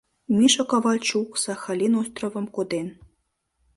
Миша Ковальчук, Сахалин островым коден.